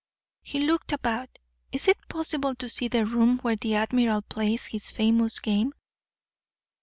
He looked about. "Is it possible to see the room where the admiral plays his famous game?"